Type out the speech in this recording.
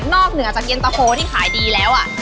นอกเหนือจากเย็นตะโฮที่ขายดีแล้วอ่ะ